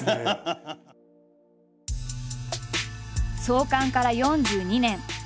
創刊から４２年。